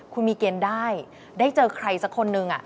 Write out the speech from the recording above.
คุณมีเกณฑ์ได้ได้เจอใครสักคนนึง